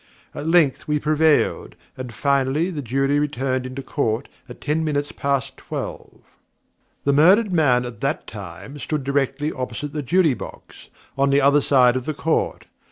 At length we prevailed, and finally the Jury returned into Court at ten minutes past twelve. The murdered man at that time stood directly opposite the Jury box, on the other side of the Court.